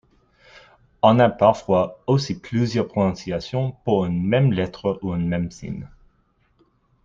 On a parfois aussi plusieurs prononciations pour une même lettre ou un même signe.